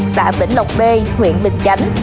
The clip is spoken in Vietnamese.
xã vĩnh lộc b huyện bình chánh